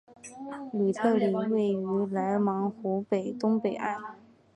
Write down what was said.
吕特里位于莱芒湖东北岸。